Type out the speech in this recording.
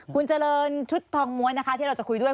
คุณเจริญชุดทองม้วนนะคะที่เราจะคุยด้วย